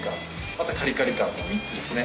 あとカリカリ感の３つですね。